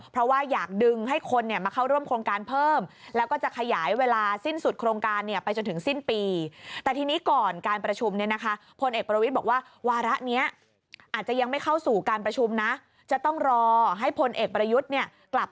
เพราะว่าอยากดึงให้คนมาเข้าร่วมโครงการเพิ่มแล้วก็จะขยายเวลาสิ้นสุดโครงการไปจนถึงสิ้นปี